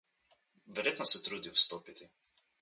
Verjetno se trudi vstopiti.